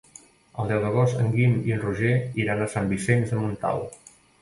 El deu d'agost en Guim i en Roger iran a Sant Vicenç de Montalt.